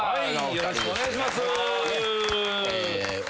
よろしくお願いします。